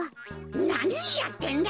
なにやってんだ！